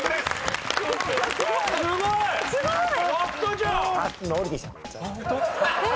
すごい！